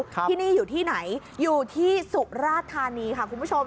ที่นี่อยู่ที่ไหนอยู่ที่สุราธานีค่ะคุณผู้ชม